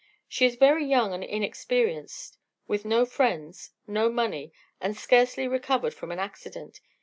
She is very young and inexperienced, with no friends, no money, and scarcely recovered from an accident.